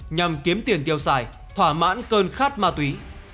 nhằm kiếm tiền tiêu xài thỏa mãn cơn khát ma túy